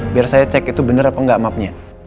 biar saya cek itu benar apa enggak mapnya